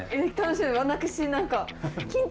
私何か。